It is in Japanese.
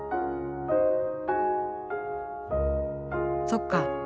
そっか。